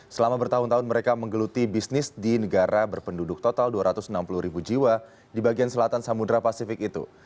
selama bertahun tahun mereka menggeluti bisnis di negara berpenduduk total dua ratus enam puluh ribu jiwa di bagian selatan samudera pasifik itu